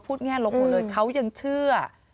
แง่ลบหมดเลยเขายังเชื่อ